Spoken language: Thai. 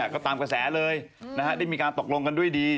ก็ตามกระแสเลยได้มีการตกลงกันด้วยดี